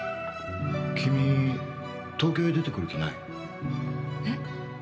君東京へ出てくる気ない？え？